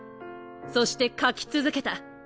そして描き続けた。